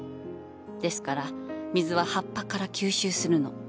ですから水は葉っぱから吸収するの。